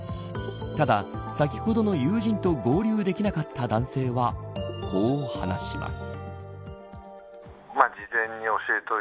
ただ、先ほどの友人と合流できなかった男性はこう話します。